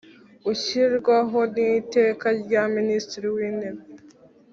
Ushyirwaho n iteka rya minisitiri w intebe